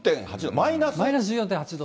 マイナス１４．８度。